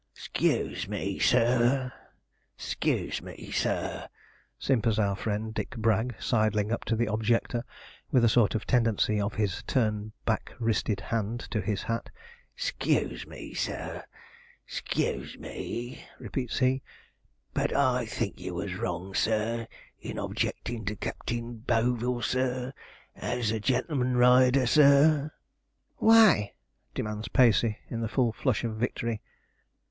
'S c e u s e me, sir; s c e u s e me, sir,' simpers our friend Dick Bragg, sidling up to the objector with a sort of tendency of his turn back wristed hand to his hat. 'S c e u s e me, sir; s c e u s e me,' repeats he, 'but I think you was wrong, sir, in objecting to Captain Boville, sir, as a gen'l'man rider, sir.' 'Why?' demands Pacey, in the full flush of victory.